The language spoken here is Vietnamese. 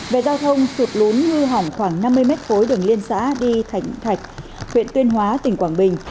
về giao thông sụt lún hư hỏng khoảng năm mươi mét khối đường liên xã đi thạch huyện tuyên hóa tỉnh quảng bình